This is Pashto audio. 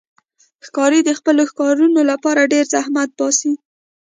ښکاري د خپلو ښکارونو لپاره ډېر زحمت باسي.